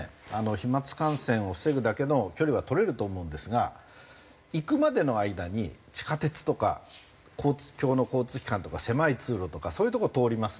飛沫感染を防ぐだけの距離は取れると思うんですが行くまでの間に地下鉄とか公共の交通機関とか狭い通路とかそういう所通りますので。